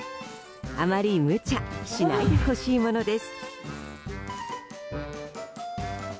あまり無茶しないでほしいものです。